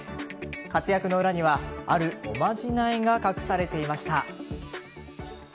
活躍の裏にはあるおまじないが隠されていました。